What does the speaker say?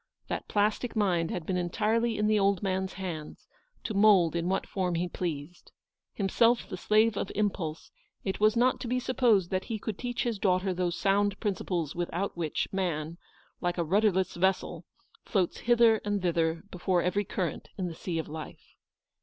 That plastic mind had been entirely in the old man's hands, to mould in what form he pleased. Himself the slave of impulse, it was not 190 ELEANOR'S VICTORY. to be supposed that he could teach his daughter those sound principles without which man, like a rudderless vessel, floats hither and thither before every current in the sea of life.